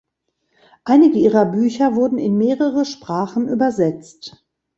Einige ihrer Bücher wurden in mehrere Sprachen übersetzt.